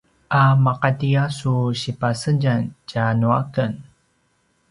a maqati a su sipasedjam tja nuaken?